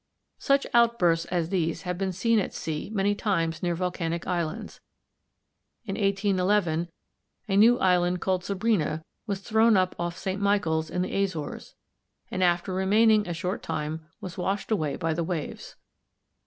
Such outbursts as these have been seen at sea many times near volcanic islands. In 1811 a new island called Sabrina was thrown up off St. Michael's in the Azores, and after remaining a short time was washed away by the waves.